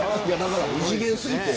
異次元過ぎて。